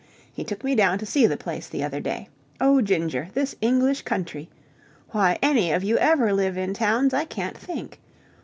He took me down to see the place the other day. Oh, Ginger, this English country! Why any of you ever live in towns I can't think.